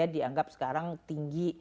lima tiga dianggap sekarang tinggi